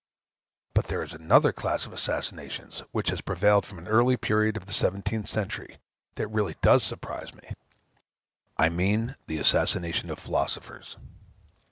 But there is another class of assassinations, which has prevailed from an early period of the seventeenth century, that really does surprise me; I mean the assassination of philosophers.